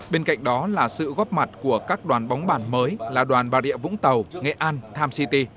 bên cạnh đó là sự góp mặt của các đoàn bóng bàn mới là đoàn bà rịa vũng tàu nghệ an times city